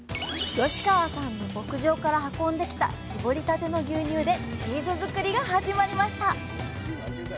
吉川さんの牧場から運んできた搾りたての牛乳でチーズ作りが始まりました。